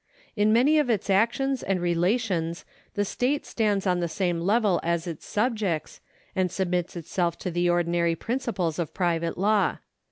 In many of its actions and relations the state stands on the same level as its subjects, and submits itself to the ordinary principles of private law.